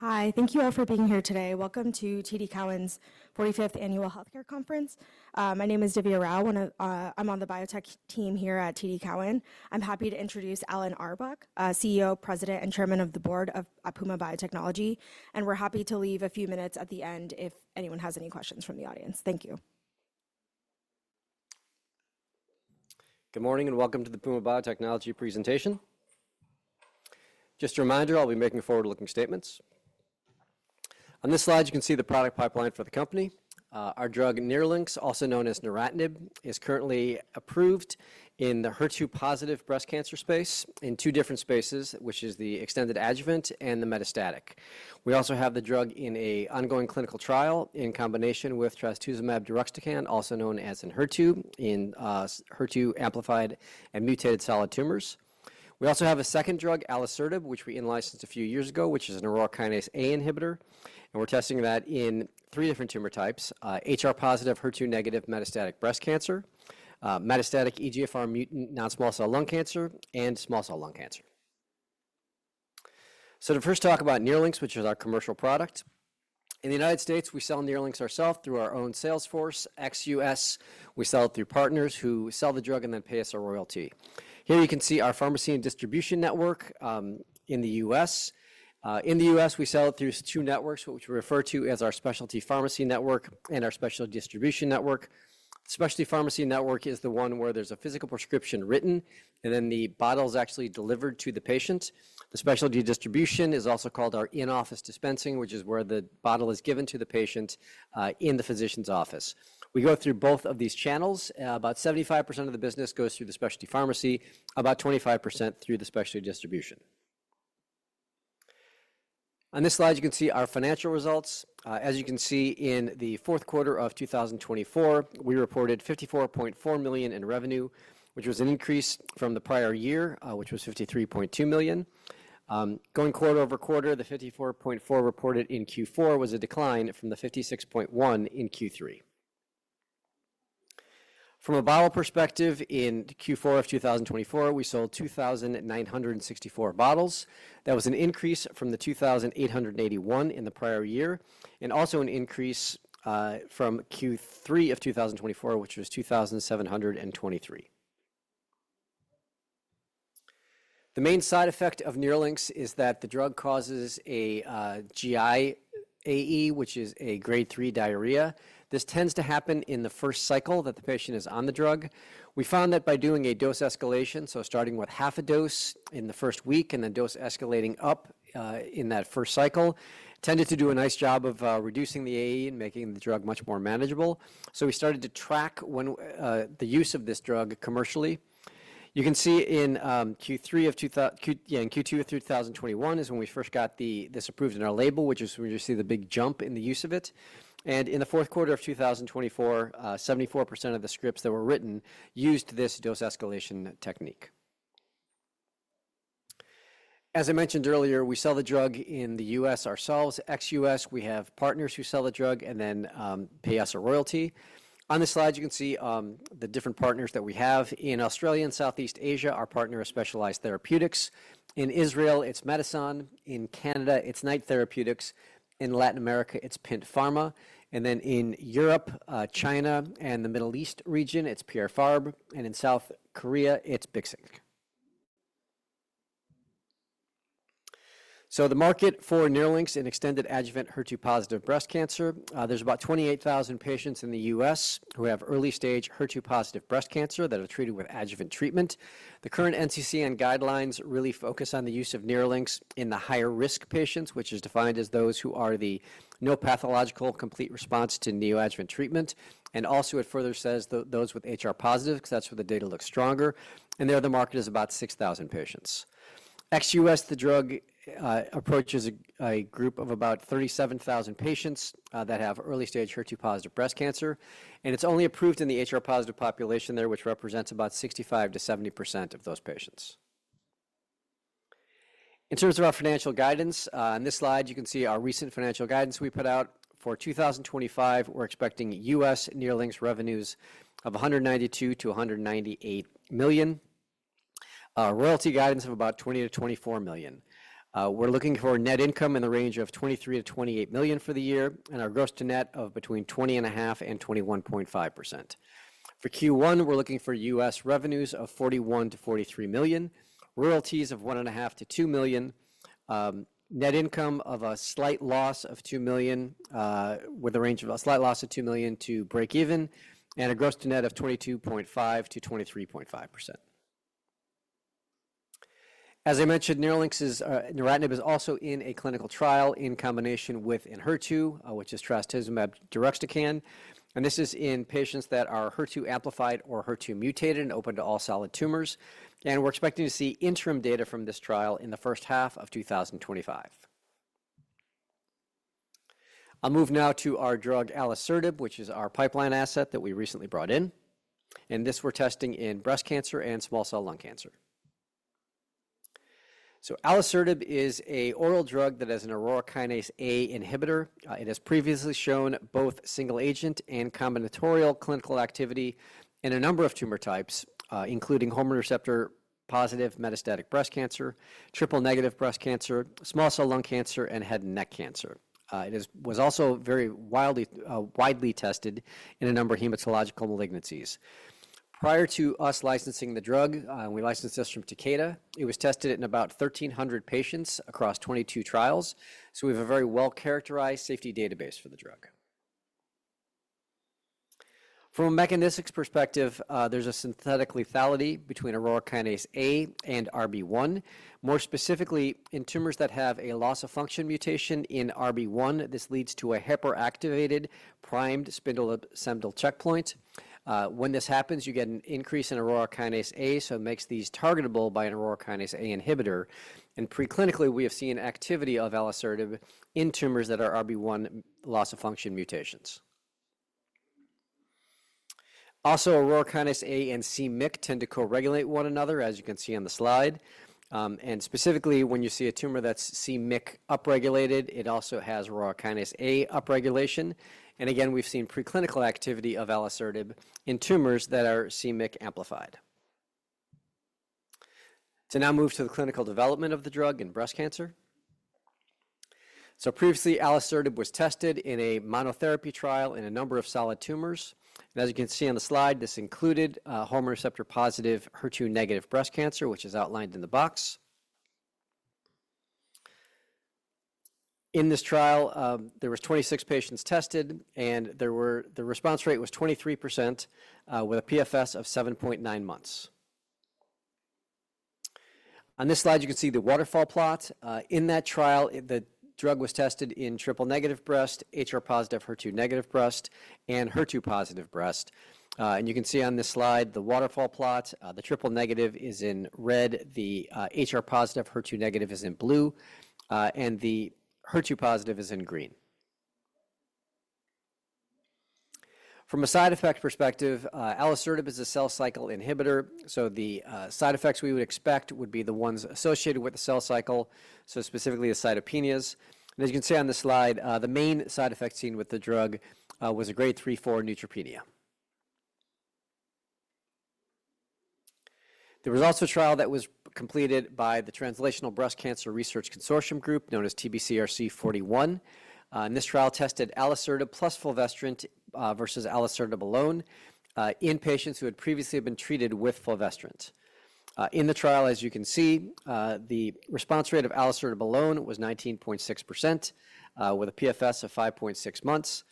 Hi, thank you all for being here today. Welcome to TD Cowen's 45th Annual Healthcare Conference. My name is Divya Rao. I'm on the biotech team here at TD Cowen. I'm happy to introduce Alan Auerbach, CEO, President, and Chairman of the Board of Puma Biotechnology. We're happy to leave a few minutes at the end if anyone has any questions from the audience. Thank you. Good morning and welcome to the Puma Biotechnology presentation. Just a reminder, I'll be making forward-looking statements. On this slide, you can see the product pipeline for the company. Our drug, NERLYNX, also known as neratinib, is currently approved in the HER2-positive breast cancer space in two different spaces, which is the extended adjuvant and the metastatic. We also have the drug in an ongoing clinical trial in combination with trastuzumab deruxtecan, also known as Enhertu, in HER2-amplified and mutated solid tumors. We also have a second drug, alisertib, which we in-licensed a few years ago, which is an Aurora kinase A inhibitor. And we're testing that in three different tumor types: HR+, HER2-negative metastatic breast cancer, metastatic EGFR-mutant non-Small Cell Lung Cancer, and Small Cell Lung Cancer. To first talk about NERLYNX, which is our commercial product. In the United States, we sell NERLYNX ourselves through our own sales force. Ex-U.S., we sell it through partners who sell the drug and then pay us a royalty. Here you can see our pharmacy and distribution network in the U.S. In the U.S., we sell it through two networks, which we refer to as our specialty pharmacy network and our specialty distribution network. Specialty pharmacy network is the one where there's a physical prescription written, and then the bottle is actually delivered to the patient. The specialty distribution is also called our in-office dispensing, which is where the bottle is given to the patient in the physician's office. We go through both of these channels. About 75% of the business goes through the specialty pharmacy, about 25% through the specialty distribution. On this slide, you can see our financial results. As you can see, in the fourth quarter of 2024, we reported $54.4 million in revenue, which was an increase from the prior year, which was $53.2 million. Going quarter-over-quarter, the $54.4 million reported in Q4 was a decline from the $56.1 million in Q3. From a bottle perspective, in Q4 of 2024, we sold 2,964 bottles. That was an increase from the 2,881 in the prior year, and also an increase from Q3 of 2024, which was 2,723. The main side effect of NERLYNX is that the drug causes a GIAE, which is a Grade 3 diarrhea. This tends to happen in the first cycle that the patient is on the drug. We found that by doing a dose escalation, starting with half a dose in the first week and then dose escalating up in that first cycle, tended to do a nice job of reducing the AE and making the drug much more manageable. We started to track the use of this drug commercially. You can see in Q3 of 2021 is when we first got this approved in our label, which is where you see the big jump in the use of it. In the fourth quarter of 2024, 74% of the scripts that were written used this dose escalation technique. As I mentioned earlier, we sell the drug in the U.S. ourselves, Ex-U.S.. We have partners who sell the drug and then pay us a royalty. On this slide, you can see the different partners that we have. In Australia and Southeast Asia, our partner is Specialized Therapeutics. In Israel, it's Medison. In Canada, it's Knight Therapeutics. In Latin America, it's Pint Pharma. In Europe, China and the Middle East region, it's Pierre Fabre. In South Korea, it's Bixink. The market for NERLYNX and extended adjuvant HER2-positive breast cancer, there's about 28,000 patients in the U.S. who have early-stage HER2-positive breast cancer that are treated with adjuvant treatment. The current NCCN guidelines really focus on the use of NERLYNX in the higher-risk patients, which is defined as those who are the no pathological complete response to neoadjuvant treatment. It also further says those with HR+, because that's where the data looks stronger. There the market is about 6,000 patients. Ex-U.S., the drug, approaches a group of about 37,000 patients that have early-stage HER2-positive breast cancer. It's only approved in the HR+ population there, which represents about 65%-70% of those patients. In terms of our financial guidance, on this slide, you can see our recent financial guidance we put out. For 2025, we're expecting U.S. NERLYNX revenues of $192 million-$198 million, royalty guidance of about $20 million-$24 million. We're looking for net income in the range of $23 million-$28 million for the year, and our gross-to-net of between 20.5%-21.5%. For Q1, we're looking for U.S. revenues of $41 million-$43 million, royalties of $1.5 million-$2 million, net income of a slight loss of $2 million, with a range of a slight loss of $2 million to break even, and a gross-to-net of 22.5%-23.5%. As I mentioned, NERLYNX's neratinib is also in a clinical trial in combination with an HER2, which is trastuzumab deruxtecan. This is in patients that are HER2-amplified or HER2-mutated and open to all solid tumors. We are expecting to see interim data from this trial in the first half of 2025. I'll move now to our drug, alisertib, which is our pipeline asset that we recently brought in. This we are testing in breast cancer and Small Cell Lung Cancer. Alisertib is an oral drug that has an Aurora kinase A inhibitor. It has previously shown both single-agent and combinatorial clinical activity in a number of tumor types, including hormone receptor positive metastatic breast cancer, triple-negative breast cancer, Small Cell Lung Cancer, and head and neck cancer. It was also very widely tested in a number of hematological malignancies. Prior to us licensing the drug, we licensed this from Takeda. It was tested in about 1,300 patients across 22 trials. We have a very well-characterized safety database for the drug. From a mechanistic perspective, there is a synthetic lethality between Aurora kinase A and RB1. More specifically, in tumors that have a loss-of-function mutation in RB1, this leads to a hyperactivated primed spindle assembly checkpoint. When this happens, you get an increase in Aurora kinase A, so it makes these targetable by an Aurora kinase A inhibitor. Preclinically, we have seen activity of alisertib in tumors that are RB1 loss-of-function mutations. Also, Aurora kinase A and c-Myc tend to co-regulate one another, as you can see on the slide. Specifically, when you see a tumor that is c-Myc upregulated, it also has Aurora kinase A upregulation. Again, we have seen preclinical activity of alisertib in tumors that are c-Myc amplified. To now move to the clinical development of the drug in breast cancer. Previously, alisertib was tested in a monotherapy trial in a number of solid tumors. As you can see on the slide, this included hormone receptor positive, HER2-negative breast cancer, which is outlined in the box. In this trial, there were 26 patients tested, and the response rate was 23% with a PFS of 7.9 months. On this slide, you can see the waterfall plot. In that trial, the drug was tested in triple-negative breast, HR+, HER2-negative breast, and HER2-positive breast. You can see on this slide, the waterfall plot, the triple negative is in red, the HR+, HER2-negative is in blue, and the HER2-positive is in green. From a side effect perspective, alisertib is a cell cycle inhibitor. The side effects we would expect would be the ones associated with the cell cycle, so specifically the cytopenias. As you can see on this slide, the main side effect seen with the drug was a Grade 3, 4 neutropenia. There was also a trial that was completed by the Translational Breast Cancer Research Consortium Group, known as TBCRC041. This trial tested alisertib plus fulvestrant versus alisertib alone in patients who had previously been treated with fulvestrant. In the trial, as you can see, the response rate of alisertib alone was 19.6% with a PFS of 5.6 months.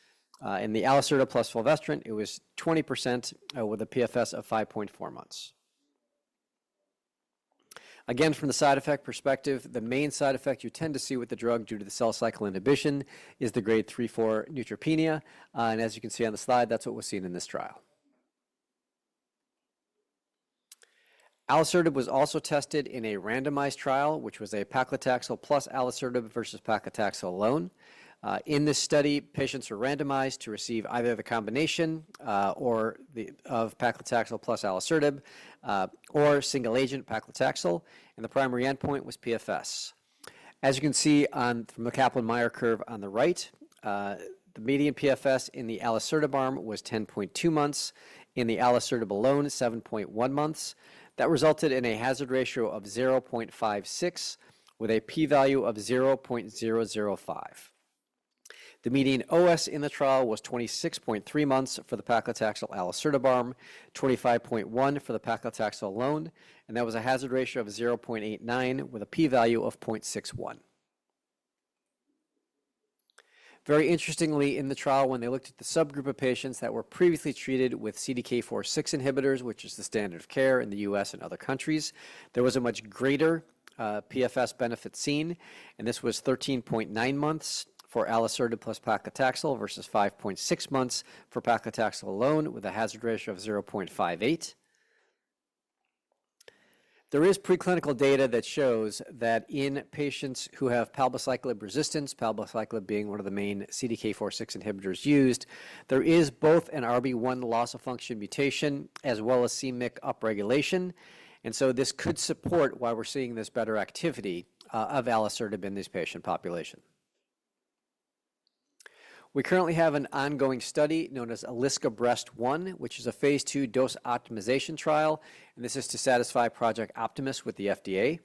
In the alisertib plus fulvestrant, it was 20% with a PFS of 5.4 months. Again, from the side effect perspective, the main side effect you tend to see with the drug due to the cell cycle inhibition is the Grade 3, 4 neutropenia. As you can see on the slide, that is what we are seeing in this trial. Alisertib was also tested in a randomized trial, which was a paclitaxel plus alisertib versus paclitaxel alone. In this study, patients were randomized to receive either the combination of paclitaxel plus alisertib or single-agent paclitaxel, and the primary endpoint was PFS. As you can see from the Kaplan-Meier curve on the right, the median PFS in the alisertib arm was 10.2 months. In the alisertib alone, 7.1 months. That resulted in a hazard ratio of 0.56 with a p-value of 0.005. The median OS in the trial was 26.3 months for the paclitaxel alisertib arm, 25.1 for the paclitaxel alone, and that was a hazard ratio of 0.89 with a p-value of 0.61. Very interestingly, in the trial, when they looked at the subgroup of patients that were previously treated with CDK4/6 inhibitors, which is the standard of care in the U.S. and other countries, there was a much greater PFS benefit seen. This was 13.9 months for alisertib plus paclitaxel versus 5.6 months for paclitaxel alone with a hazard ratio of 0.58. There is preclinical data that shows that in patients who have palbociclib resistance, palbociclib being one of the main CDK4/6 inhibitors used, there is both an RB1 loss-of-function mutation as well as c-Myc upregulation. This could support why we're seeing this better activity of alisertib in this patient population. We currently have an ongoing study known as ALISCA-Breast1, which is a phase II dose optimization trial. This is to satisfy Project Optimus with the FDA.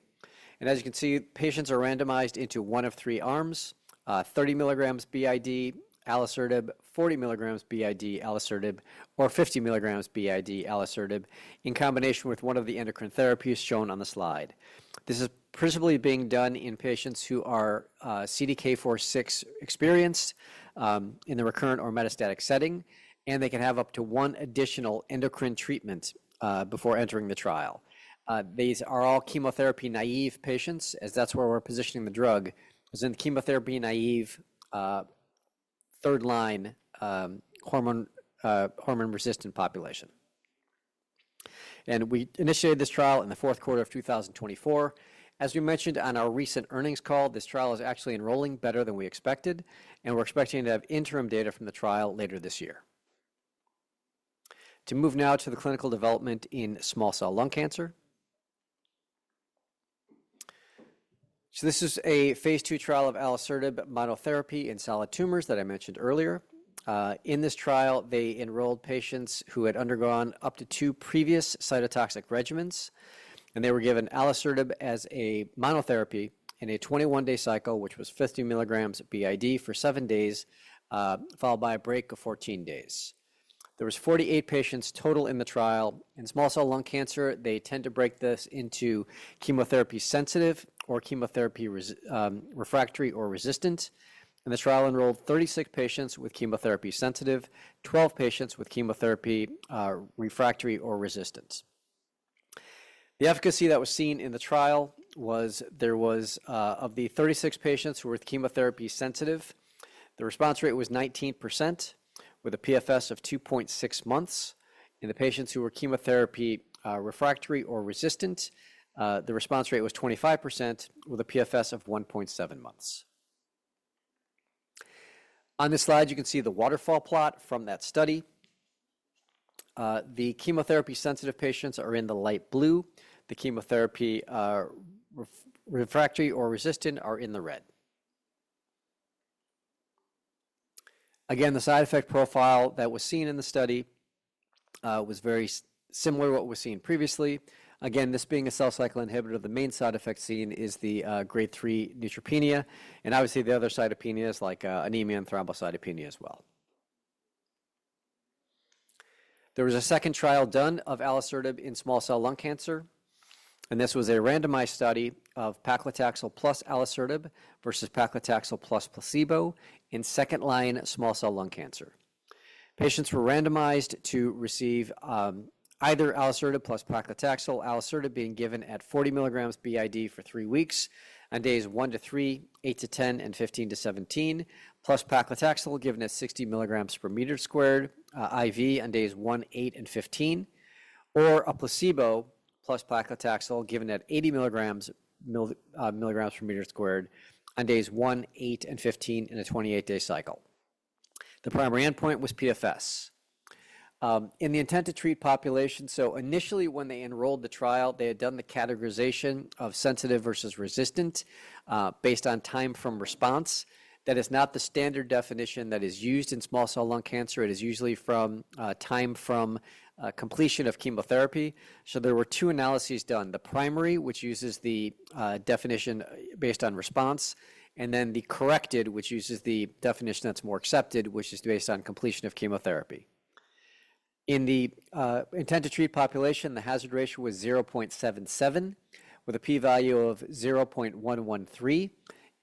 As you can see, patients are randomized into one of three arms: 30 milligrams b.i.d. alisertib, 40 milligrams b.i.d. alisertib, or 50 milligrams b.i.d. alisertib in combination with one of the endocrine therapies shown on the slide. This is principally being done in patients who are CDK4/6 experienced in the recurrent or metastatic setting, and they can have up to one additional endocrine treatment before entering the trial. These are all chemotherapy naive patients, as that's where we're positioning the drug, because in the chemotherapy naive third-line hormone resistant population. We initiated this trial in the fourth quarter of 2024. As we mentioned on our recent earnings call, this trial is actually enrolling better than we expected, and we're expecting to have interim data from the trial later this year. To move now to the clinical development in Small Cell Lung Cancer. This is a phase II trial of alisertib monotherapy in solid tumors that I mentioned earlier. In this trial, they enrolled patients who had undergone up to two previous cytotoxic regimens, and they were given alisertib as a monotherapy in a 21-day cycle, which was 50 milligrams b.i.d. for seven days, followed by a break of 14 days. There were 48 patients total in the trial. In Small Cell Lung Cancer, they tend to break this into chemotherapy sensitive or chemotherapy refractory or resistant. The trial enrolled 36 patients with chemotherapy sensitive, 12 patients with chemotherapy refractory or resistant. The efficacy that was seen in the trial was there was of the 36 patients who were chemotherapy sensitive, the response rate was 19% with a PFS of 2.6 months. In the patients who were chemotherapy refractory or resistant, the response rate was 25% with a PFS of 1.7 months. On this slide, you can see the waterfall plot from that study. The chemotherapy sensitive patients are in the light blue. The chemotherapy refractory or resistant are in the red. Again, the side effect profile that was seen in the study was very similar to what we've seen previously. This being a cell cycle inhibitor, the main side effect seen is the Grade 3 neutropenia. Obviously, the other cytopenias like anemia and thrombocytopenia as well. There was a second trial done of alisertib in Small Cell Lung Cancer. This was a randomized study of paclitaxel plus alisertib versus paclitaxel plus placebo in second-line Small Cell Lung Cancer. Patients were randomized to receive either alisertib plus paclitaxel, alisertib being given at 40 milligrams b.i.d. for three weeks on days 1-3, 8-10, and 15-17, plus paclitaxel given at 60 mg per meter squared IV on days 1, 8, and 15, or a placebo plus paclitaxel given at 80 mg per meter squared on days 1, 8, and 15 in a 28-day cycle. The primary endpoint was PFS. In the intent to treat population, so initially when they enrolled the trial, they had done the categorization of sensitive versus resistant based on time from response. That is not the standard definition that is used in Small Cell Lung Cancer. It is usually from time from completion of chemotherapy. There were two analyses done. The primary, which uses the definition based on response, and then the corrected, which uses the definition that's more accepted, which is based on completion of chemotherapy. In the intent to treat population, the hazard ratio was 0.77 with a p-value of 0.113.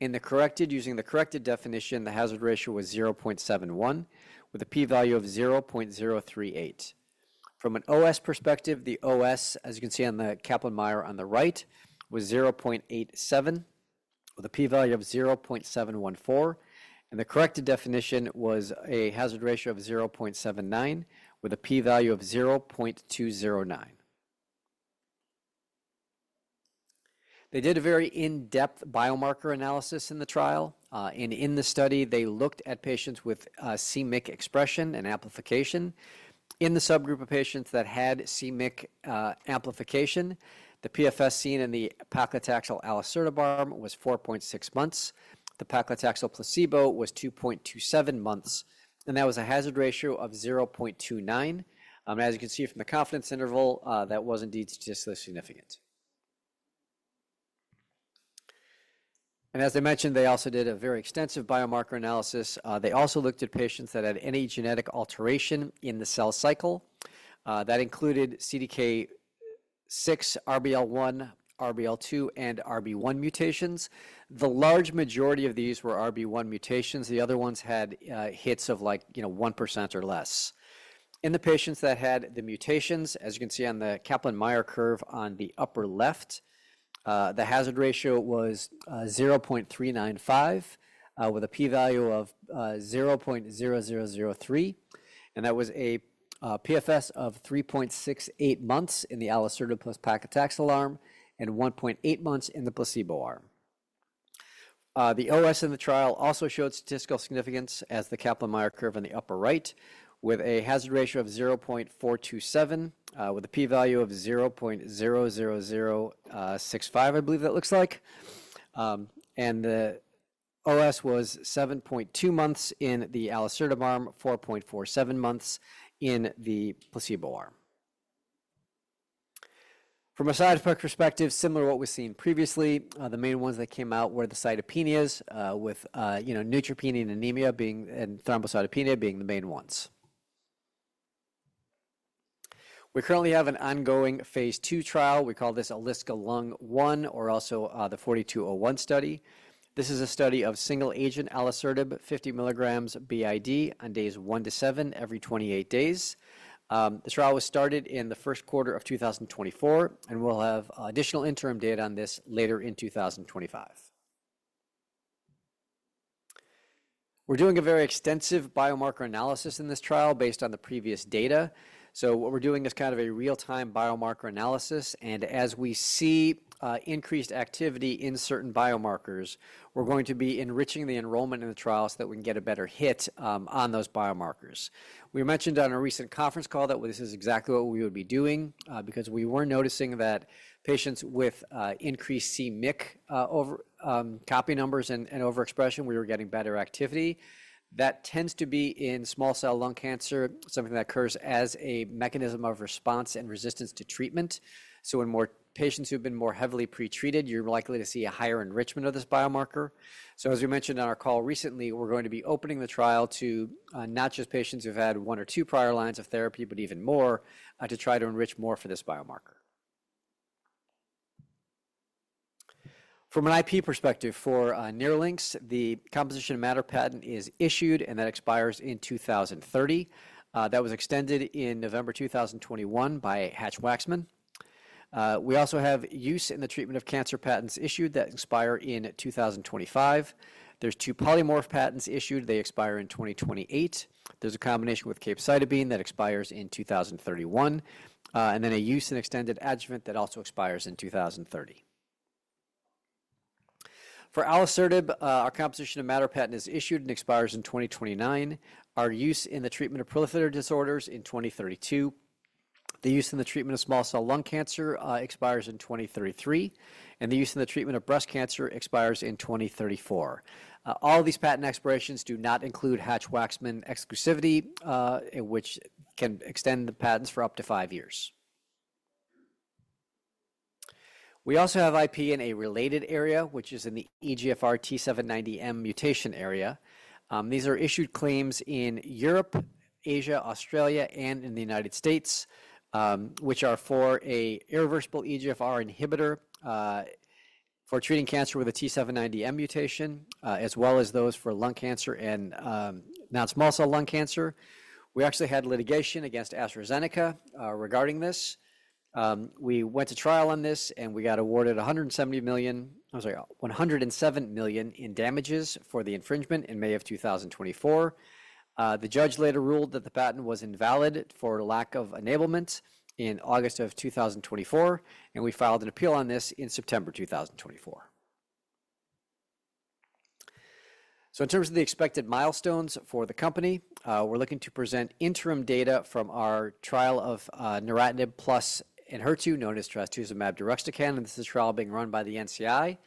In the corrected, using the corrected definition, the hazard ratio was 0.71 with a p-value of 0.038. From an OS perspective, the OS, as you can see on the Kaplan-Meier on the right, was 0.87 with a p-value of 0.714. The corrected definition was a hazard ratio of 0.79 with a p-value of 0.209. They did a very in-depth biomarker analysis in the trial. In the study, they looked at patients with c-Myc expression and amplification. In the subgroup of patients that had c-Myc amplification, the PFS seen in the paclitaxel alisertib arm was 4.6 months. The paclitaxel placebo was 2.27 months. That was a hazard ratio of 0.29. As you can see from the confidence interval, that was indeed statistically significant. As I mentioned, they also did a very extensive biomarker analysis. They also looked at patients that had any genetic alteration in the cell cycle. That included CDK6, RBL1, RBL2, and RB1 mutations. The large majority of these were RB1 mutations. The other ones had hits of like 1% or less. In the patients that had the mutations, as you can see on the Kaplan-Meier curve on the upper left, the hazard ratio was 0.395 with a p-value of 0.0003. That was a PFS of 3.68 months in the alisertib plus paclitaxel arm and 1.8 months in the placebo arm. The OS in the trial also showed statistical significance as the Kaplan-Meier curve on the upper right with a hazard ratio of 0.427 with a p-value of 0.00065, I believe that looks like. The OS was 7.2 months in the alisertib arm, 4.47 months in the placebo arm. From a side effect perspective, similar to what we've seen previously, the main ones that came out were the cytopenias with neutropenia and anemia and thrombocytopenia being the main ones. We currently have an ongoing phase II trial. We call this ALISCA-Lung1 or also the 4201 study. This is a study of single agent alisertib 50 milligrams b.i.d. on days 1-7 every 28 days. The trial was started in the first quarter of 2024, and we'll have additional interim data on this later in 2025. We're doing a very extensive biomarker analysis in this trial based on the previous data. What we're doing is kind of a real-time biomarker analysis. As we see increased activity in certain biomarkers, we're going to be enriching the enrollment in the trial so that we can get a better hit on those biomarkers. We mentioned on a recent conference call that this is exactly what we would be doing because we were noticing that patients with increased c-Myc copy numbers and overexpression, we were getting better activity. That tends to be in Small Cell Lung Cancer, something that occurs as a mechanism of response and resistance to treatment. In more patients who've been more heavily pretreated, you're likely to see a higher enrichment of this biomarker. As we mentioned on our call recently, we're going to be opening the trial to not just patients who've had one or two prior lines of therapy, but even more to try to enrich more for this biomarker. From an IP perspective for NERLYNX, the composition matter patent is issued, and that expires in 2030. That was extended in November 2021 by Hatch-Waxman. We also have use in the treatment of cancer patents issued that expire in 2025. There are two polymorph patents issued. They expire in 2028. There is a combination with capecitabine that expires in 2031, and then a use in extended adjuvant that also expires in 2030. For alisertib, our composition of matter patent is issued and expires in 2029. Our use in the treatment of proliferative disorders in 2032. The use in the treatment of Small Cell Lung Cancer expires in 2033, and the use in the treatment of breast cancer expires in 2034. All of these patent expirations do not include Hatch-Waxman exclusivity, which can extend the patents for up to five years. We also have IP in a related area, which is in the EGFR T790M mutation area. These are issued claims in Europe, Asia, Australia, and in the United States, which are for an irreversible EGFR inhibitor for treating cancer with a T790M mutation, as well as those for lung cancer and non-Small Cell Lung Cancer. We actually had litigation against AstraZeneca regarding this. We went to trial on this, and we got awarded $107 million in damages for the infringement in May of 2024. The judge later ruled that the patent was invalid for lack of enablement in August of 2024, and we filed an appeal on this in September 2024. In terms of the expected milestones for the company, we're looking to present interim data from our trial of neratinib plus in HER2, known as trastuzumab deruxtecan. This is a trial being run by the NCI.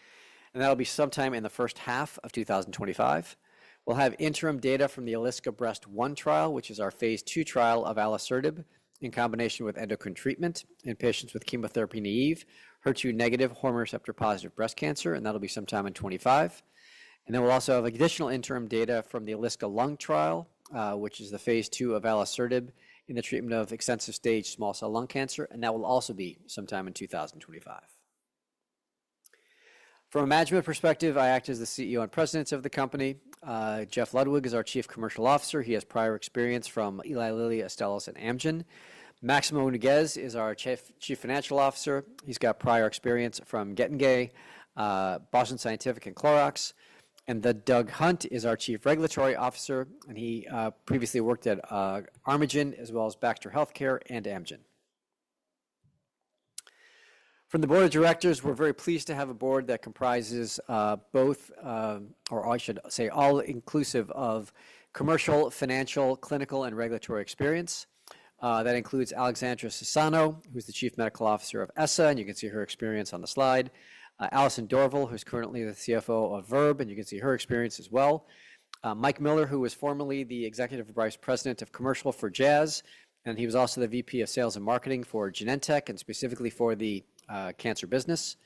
That will be sometime in the first half of 2025. We will have interim data from the ALISCA-Breast1 trial, which is our phase II trial of alisertib in combination with endocrine treatment in patients with chemotherapy-naive, HER2-negative hormone receptor-positive breast cancer, and that will be sometime in 2025. We will also have additional interim data from the ALISCA-Lung trial, which is the phase II of alisertib in the treatment of extensive stage Small Cell Lung Cancer, and that will also be sometime in 2025. From a management perspective, I act as the CEO and President of the company. Jeff Ludwig is our Chief Commercial Officer. He has prior experience from Eli Lilly, Astellas, and Amgen. Maximo Nougues is our Chief Financial Officer. He has prior experience from Getinge, Boston Scientific, and Clorox. Doug Hunt is our Chief Regulatory Officer, and he previously worked at Amgen as well as Baxter Healthcare and Amgen. From the board of directors, we're very pleased to have a board that comprises both, or I should say, all-inclusive of commercial, financial, clinical, and regulatory experience. That includes Alessandra Cesano, who's the Chief Medical Officer of ESSA, and you can see her experience on the slide. Allison Dorval, who's currently the CFO of Verve, and you can see her experience as well. Mike Miller, who was formerly the Executive Vice President of Commercial for Jazz, and he was also the VP of sales and marketing for Genentech and specifically for the cancer business.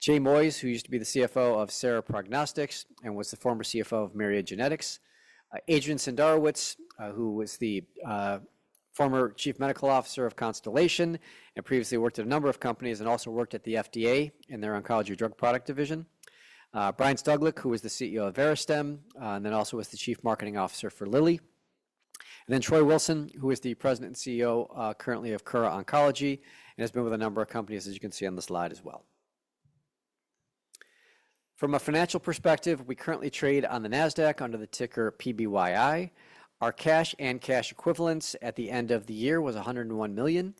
Jay Moyes, who used to be the CFO of Sera Prognostics and was the former CFO of Myriad Genetics. Adrian Senderowicz, who was the former Chief Medical Officer of Constellation and previously worked at a number of companies and also worked at the FDA in their oncology drug product division. Brian Stuglik, who was the CEO of Verastem, and then also was the Chief Marketing Officer for Lilly. Troy Wilson, who is the President and CEO currently of Kura Oncology and has been with a number of companies, as you can see on the slide as well. From a financial perspective, we currently trade on the NASDAQ under the ticker PBYI. Our cash and cash equivalents at the end of the year was $101 million.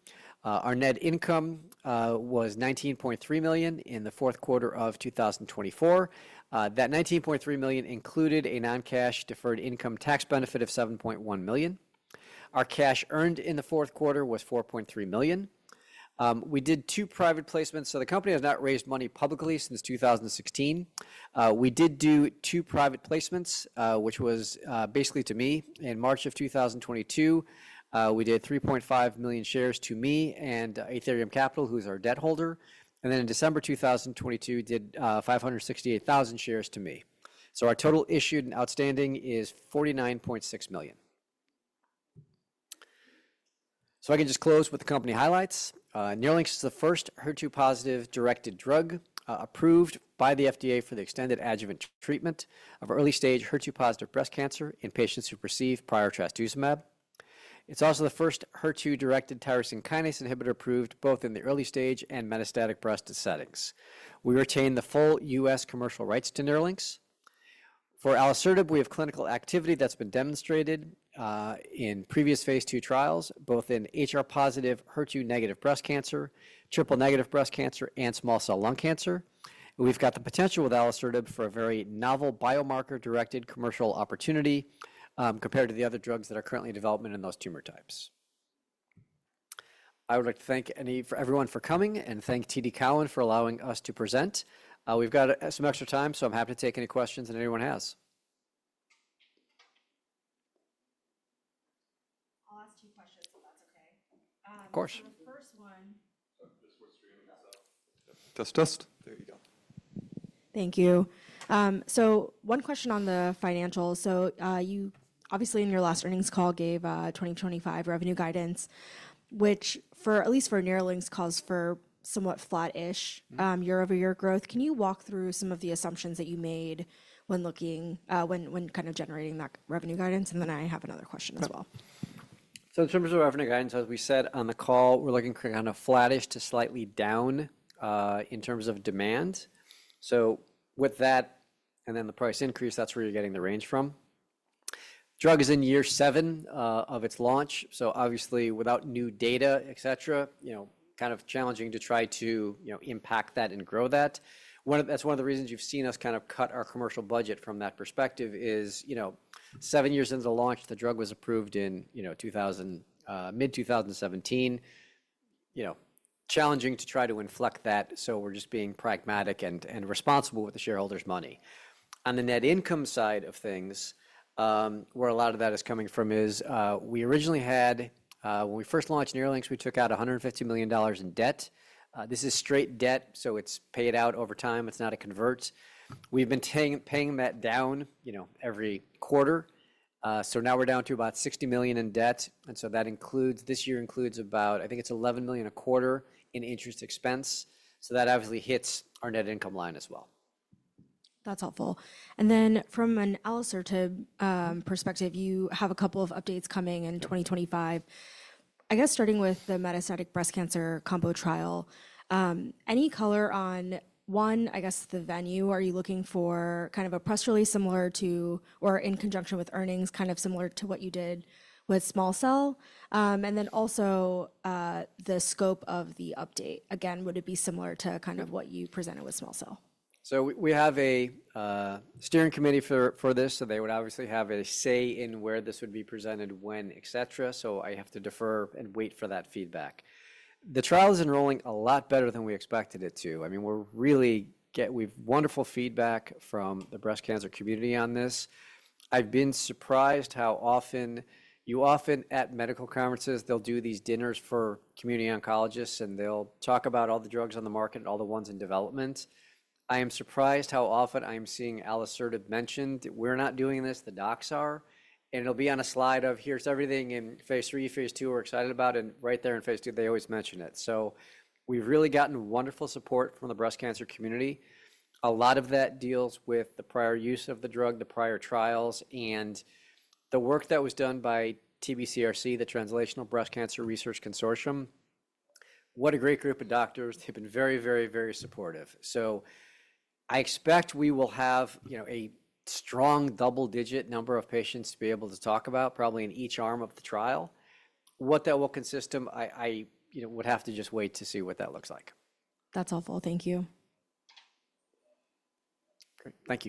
Our net income was $19.3 million in the fourth quarter of 2024. That $19.3 million included a non-cash deferred income tax benefit of $7.1 million. Our cash earned in the fourth quarter was $4.3 million. We did two private placements. The company has not raised money publicly since 2016. We did do two private placements, which was basically to me in March of 2022. We did $3.5 million shares to me and Athyrium Capital, who is our debt holder. In December 2022, did 568,000 shares to me. Our total issued and outstanding is $49.6 million. I can just close with the company highlights. NERLYNX is the first HER2-positive directed drug approved by the FDA for the extended adjuvant treatment of early stage HER2-positive breast cancer in patients who receive prior trastuzumab. It is also the first HER2-directed tyrosine kinase inhibitor approved both in the early stage and metastatic breast settings. We retain the full U.S. commercial rights to NERLYNX. For alisertib, we have clinical activity that's been demonstrated in previous phase II trials, both in HR+, HER2-negative breast cancer, triple-negative breast cancer, and Small Cell Lung Cancer. We've got the potential with alisertib for a very novel biomarker-directed commercial opportunity compared to the other drugs that are currently in development in those tumor types. I would like to thank everyone for coming and thank TD Cowen for allowing us to present. We've got some extra time, so I'm happy to take any questions that anyone has. I'll ask two questions if that's okay. Of course. The first one. Just whisper your name. Test, test. There you go. Thank you. One question on the financials. You obviously in your last earnings call gave 2025 revenue guidance, which for at least for NERLYNX calls for somewhat flattish year-over-year growth. Can you walk through some of the assumptions that you made when looking, when kind of generating that revenue guidance? I have another question as well. In terms of revenue guidance, as we said on the call, we're looking kind of flattish to slightly down in terms of demand. With that and then the price increase, that's where you're getting the range from. Drug is in year seven of its launch. Obviously, without new data, et cetera, kind of challenging to try to impact that and grow that. That's one of the reasons you've seen us kind of cut our commercial budget from that perspective is seven years into the launch, the drug was approved in mid-2017. Challenging to try to inflect that. We're just being pragmatic and responsible with the shareholders' money. On the net income side of things, where a lot of that is coming from is we originally had, when we first launched NERLYNX, we took out $150 million in debt. This is straight debt, so it's paid out over time. It's not a convert. We've been paying that down every quarter. Now we're down to about $60 million in debt. That includes this year, includes about, I think it's $11 million a quarter in interest expense. That obviously hits our net income line as well. That's helpful. Then from an alisertib perspective, you have a couple of updates coming in 2025. I guess starting with the metastatic breast cancer combo trial, any color on one, I guess the venue, are you looking for kind of a press release similar to or in conjunction with earnings, kind of similar to what you did with Small Cell? Also the scope of the update. Again, would it be similar to kind of what you presented with Small Cell? We have a steering committee for this, so they would obviously have a say in where this would be presented, when, et cetera. I have to defer and wait for that feedback. The trial is enrolling a lot better than we expected it to. I mean, we're really getting wonderful feedback from the breast cancer community on this. I've been surprised how often you often at medical conferences, they'll do these dinners for community oncologists, and they'll talk about all the drugs on the market, all the ones in development. I am surprised how often I'm seeing alisertib mentioned that we're not doing this, the docs are. It'll be on a slide of, here's everything in phase III, phase II we're excited about. Right there in phase II, they always mention it. We've really gotten wonderful support from the breast cancer community. A lot of that deals with the prior use of the drug, the prior trials, and the work that was done by TBCRC, the Translational Breast Cancer Research Consortium. What a great group of doctors. They have been very, very, very supportive. I expect we will have a strong double-digit number of patients to be able to talk about probably in each arm of the trial. What that will consist of, I would have to just wait to see what that looks like. That's helpful. Thank you. Great. Thank you.